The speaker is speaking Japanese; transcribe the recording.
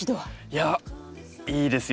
いやいいですよ。